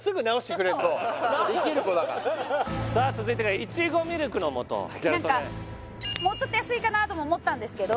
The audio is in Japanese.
できる子だからさあ続いてがいちごミルクのもとギャル曽根もうちょっと安いかなとも思ったんですけど